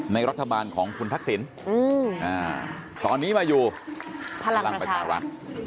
ในรัฐบาลของคุณพักศิลป์อืมอ่าตอนนี้มาอยู่พลังประชารักษ์